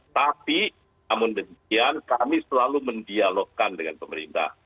tapi namun demikian kami selalu mendialogkan dengan pemerintah